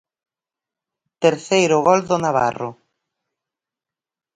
Terceiro gol do navarro.